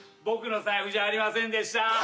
僕の財布じゃありませんでした！